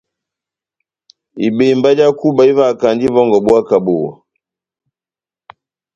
Ibembá já kuba ivahakand'ivòngò buwa kà buwa.